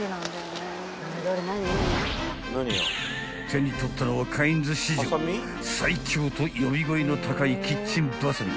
［手に取ったのはカインズ史上最強と呼び声の高いキッチンバサミ］